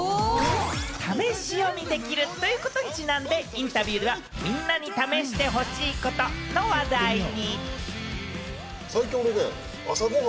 試し読みできるということにちなんで、インタビューでは、みんなに試してほしいことの話題に。